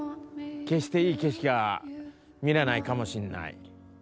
決していい景色は見れないかもしんない。